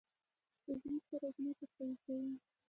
عضوي سره ځمکه قوي کوي.